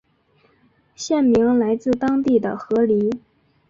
县名来自当地的河狸。